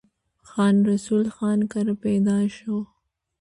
خان رسول خان کره پيدا شو ۔